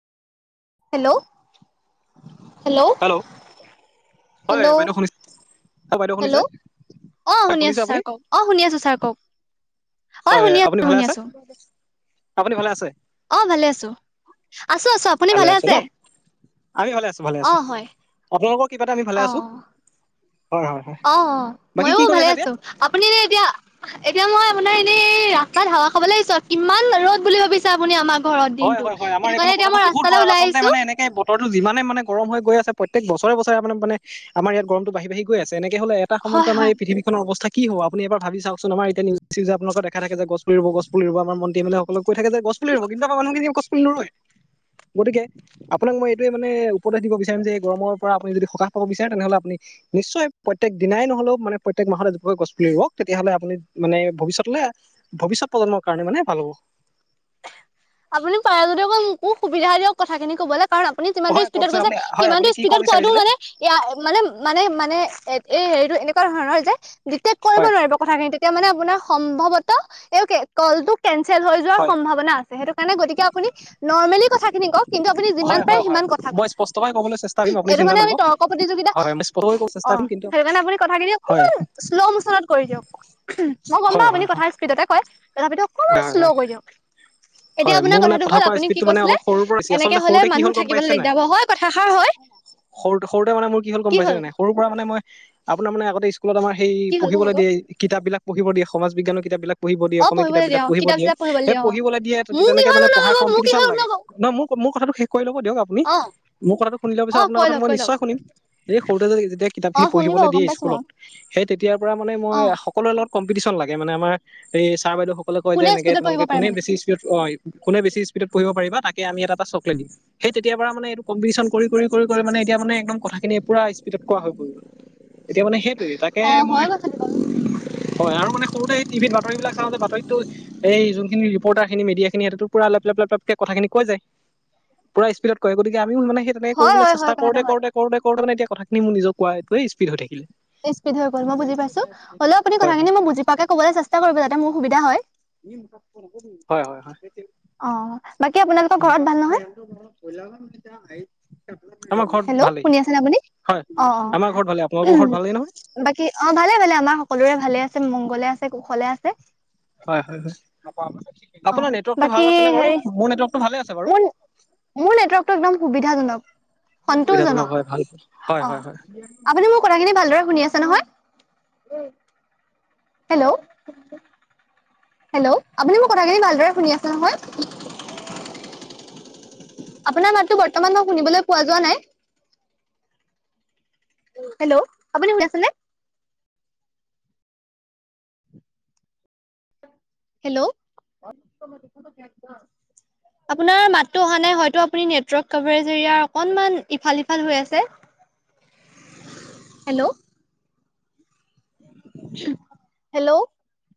Hello. Hello, হয় hello. বাইদেউ শুনিছে হয় বাইদেউ শুনিছে হেল্ল' অ', হয় শুনি শুনিছে আছো আপুনি ছাৰ কওক, অ', শুনি আছো ছাৰ কওঁক। অ', হয় শুনি আছো, আপুনি ভালে শুনি আছে আছো। আপুনি ভালে আছে অ', ভালে আছো, আছো, আছো আপুনি ভালে আছে? আমি ভালে আছো, ভালে অ আছো হয় আপোনালোকৰ কৃপাত আমি ভালে অ আছো। হয় হয় হয় অ', অ', বাকী ময়ো কি কৰি ভালে আছা এতিয়া আছো, আপুনি যে এতিয়া এতিয়া মই আপোনাৰ এনেই ৰাস্তাত হাৱা খাব আহিছোঁ, কিমান ৰ'দ বুলি ভাবিছে আপুনি আমা হয়, হয়, হয় আমাৰ এইফালে বতৰতটো বহুত গৰম ওলাই আচলতে আহিছো মানে এনেকে বতৰটো যিমানে মানে গৰম হৈ গৈ আছে। প্ৰত্যেক বছৰে, বছৰে আপোনাৰ মানে আমাৰ ইয়াত গমটো বাঢ়ি, বাঢি গৈ আছে, এনেকে হ'লে এটা সময়তো হয় আমাৰ হয় পৃথিৱীনৰ অৱস্থা। - কি হব আপুনি এবাৰ ভাবি বি চাওচোন আমাৰ এতিয়া নিউজ-চিউজে আপোনালোক দেখা থাকে যে গছপুলি ৰুব গছ পুলি ৰুব, আমাৰ মন্ত্ৰী-এমেলেসকলক। কৈ থাকে যে গছ পুলি ৰুব, কিন্তু আমাৰ মানুহখিনি গছ পুলি নোৰোৱে, গতিকে আপোনাক মই এইতোৱে মানে উপদেশ দিব বিচাৰিম যে এই গৰমৰ পৰা যদি সকাহ পাব বিচাৰে, তেনেহ'লে আপুনি নিশ্চয় প্ৰত্যেক দিনাই নহলে মানে প্ৰত্যেক মাহত এজোপা গছ পুলি ৰোওক, তেতিয়াহলে আপুনি মানে ভৱিষ্যৎ, ভৱিষ্যৎ প্ৰজন্মৰ কাৰণে মানে ভা ভাল হ'ব। [inaudible] আপুনি পাৰে যদি অকন মোকো সুবিধা দিয়ক, কথাখিনি কবলৈ? কাৰণ আপুনি যিমানটো হয় কওক স্পীডত ছাৰ কৈছে, আপুনি হয় আপুনি সিমানটো কি ক'ব স্পীডত কোৱাটো বিচাৰিছিলে? মানে, মানে, মানে, মানে এই হেৰিটো এনেকুৱা ধৰণৰ যে ডিটেক্ কৰিব হয় নোৱাৰিব কথাখিনি তেতিয়া মানে আপোনাৰ সম্ভৱত এ, কলটো কেনচেল হৈ যোৱাৰ হয় সম্ভাৱনা আছে, সেইটো গতিকে আপুনি নৰ্মেলি কথাখিনি কওঁক? কিন্তু আপুনি যিমান হয় পাৰে হয় হয় সিমান কথা মই কওঁক, স্পষ্টকৈ ক'বলৈ চেষ্টা কৰিম আপুনি এইটো চিন্তা মানে নকৰিব। আমি তৰ্ক প্ৰতিযোগিতা। হয় হয় মই স্পষ্টকৈ ক'ব চেষ্টা অ', কৰিম কিন্তু সেইটো কাৰণে আপুনি কথাখিনি হয় অকমান শ্ল মোচনত কৰি দিয়ক। মই গম হয় পাওঁ আপুনি হয় কথা হয় স্পীডতে কয়, তথাপিতো অকমান হয় শ্ল হয় কৰি দিয়ক। এতিয়া হয়, আপোনাৰ মোৰ মানে কথাটো কথা হ'ল কোৱা আপুনি কি স্পীডটো মানে কৈছিলে অলপ সৰুৰ পৰাই, এনেকে আচলতে হ'লে সৰুতে কি মানুহ হ'ল গম থাকিবলৈ পাইছে নে নাই। দিগদাৰ হ'ব হয় কথাষাৰ হয় সৰু-সৰুতে মানে মোৰ কি হ'ল গম পাইছে নে নাই, সৰু পৰা মানে মই আপোনাৰ মানে আগতে স্কুল আমাৰ সেই কি হ'ল পঢ়িব কওক আকৌ দিয়ে, কিতাপ বিলাক পঢ়িব দিয়ে, সমাজবিজ্ঞানৰ কিতাপ বিলাক পঢ়িব দিয়ে, অ অসমীয়া কিতাপ পঢ়িবলৈ দিয়া বিলাক অ পঢ়িব কিতাপ দিয়ে চিতাপ সেই দিয়া অ পঢ়িবলৈ দিয়ে। মোৰ কি তেনেকে হ'ল মানে শুনক পঢ়াৰ আকৌ মোৰ কি কম্পিটিশন হ'ল লাগে শুনক আকৌ। ন, মোৰ কথাটো শে শেষ কৰি ল'ব দিয়ক আপুনি, অ মোৰ কথাটো শুনি লোৱা পিছত অ আপোনাৰ কৈ কথাটো লওক মই কৈ লওক নিশ্চয় শুনিম, এই সৰুতে যেতিয়া অ কিতাপখিনি পঢ়িব। শুনিব পঢ়িব গম দিয়ে পাইছো মই স্কুলত। সেই তেতিয়াৰ পৰা মানে মই অ সকলোৰে লগত কম্পিটিশ্যন লাগে মানে, আমাৰ এই ছাৰ বাইদেউ সকলে কয় যে কোনে এনেকে স্পীডত পঢ়িব তোমালোকে পাৰে কোনে মানে বেছি স্পীড অ', কোনে বেছি স্পীডত পঢ়িব পাৰিবা। তাকে আমি এটা চকলেট দিম, সেই তেতিয়াৰ পৰা মানে এইটো কম্পিটিচ্যন কৰি, কৰি, কৰি মানে এতিয়া মানে একদম কথাখিনি পুৰা স্পীড। স্পীডত কোৱা হৈ গ'ল, এতিয়া মানে সেইটোৱে অ তাকেহে মই হয় কথাটো বাৰু হয়, আৰু মানে সৰুতে সেই টিভিত বাতৰি বিলাক চাওঁতে বাতৰিতো এই যোনখিনি ৰিপৰ্টাৰখিনিয়ে, মিডিয়াখিনিয়ে পুৰা লেপ-লেপ-লেপকে কথাখিনি কৈ যায়, পুৰা স্পীডত কয় গতিকে আ আমিও মানে সেই তেনেকৈ হয় কৰিবলৈ হয় চেষ্টা হয় কথাটো কৰোঁতে, হয় কৰোঁতে, কৰোঁতে, কৰোঁতে মানে এতিয়া কথাখিনি নিযে কোৱাটোৱেই স্পীড হৈ থাকিল। বেছি স্পীড হৈ গ'ল মই বুজি পাইছোঁ, হ'লেওঁ আপুনি হয় হয় কথাখিনি মই বুজি পোৱাকৈ ক'বলৈ চেষ্টা কৰিব। তেতিয়া মোৰ সুবিধা হয়। হয়, হয়, হয়। অ', বাকী আপোনালোকৰ উম, ঘৰত ভাল নহয়? আমাৰ ঘৰত হেল্ল' ভালেই শুনি আছে আপুনি হয় আমাৰ ঘৰত ভালেই আপোনালোকৰ ঘৰত অ'। ভালেই নহয়? বাকী অ', ভালে, ভালে আমাৰ সকলোৰে ভালে আছে, মংগলে আছে, কুশলে আছে। হয়, হয়, হয়। অ', আপোনাৰ নেটৱৰ্কটো ভাল বাকি আছেনে বাৰু হেৰি মোৰ নেটৱৰ্কটো ভালে আছে বাৰু। মো মোৰ নেটৱৰ্কটো একদম সুবিধাজনক। সুবিধাটো নকয় ভাল। হয় অহ হয় হয়। আপুনি মোৰ কথাখিনি ভালদৰে শুনি আছে নহয়? হেল্ল'? হেল্ল' আপুনি মোক কথাখিনি ভালদৰে শুনি আছে নহয়? আপোনাৰ মাততো বৰ্তমান মই শুনিবলৈ পোৱা যোৱা নাই। হেল্ল' আপুনি শুনি আছেনে? হেল্ল'? আপোনাৰ মাতো অহা নাই হয়টো আপুনি নেটৰ্ক কভাৰি জেৰিয়া অকণমান ইফাল সিফাল হৈ আছে। হেল্ল'। হেল্ল'?